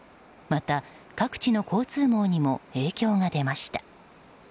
また、各地の交通網にも影響が出ました。